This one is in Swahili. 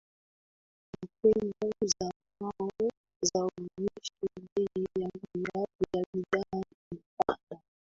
takwimu za fao zaonyesha bei ya bidhaa ilipanda